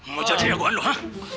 mau jadi jagoan lu ha